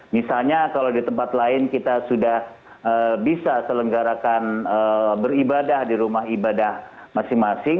misalnya kalau di tempat lain kita sudah bisa selenggarakan beribadah di rumah ibadah masing masing